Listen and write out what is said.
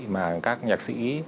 mà các nhạc sĩ